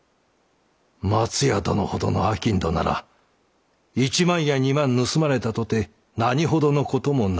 松屋殿ほどの商人なら１万や２万盗まれたとて何ほどの事もなかろう。